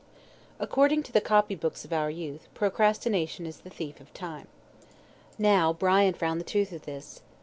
According to the copy books of our youth, "Procrastination is the thief of time." Now, Brian found the truth of this.